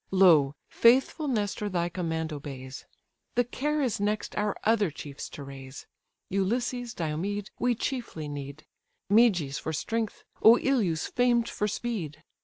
Lo, faithful Nestor thy command obeys; The care is next our other chiefs to raise: Ulysses, Diomed, we chiefly need; Meges for strength, Oïleus famed for speed.